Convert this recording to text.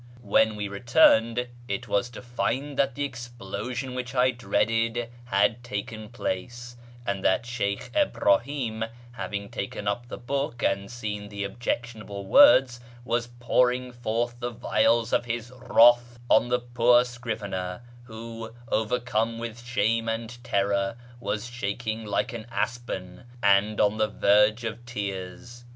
When we returned, it was to find that the explosion which I dreaded had taken place, and that Sheykh Ibrahim, having taken up the book and seen the objectionable words, was pouring forth the vials of his wrath on the poor scrivener, who, overcome with shame and terror, was shaking like an aspen, and on the verge of tears.